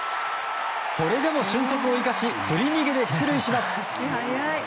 それでも俊足を生かし振り逃げで出塁します。